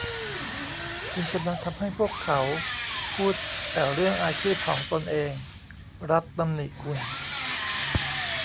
คุณกำลังทำให้พวกเขาพูดแต่เรื่องอาชีพของตนเอง รัธตำหนิคุณ